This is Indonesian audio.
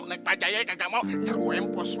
naik pajayu kagak mau terwempos lu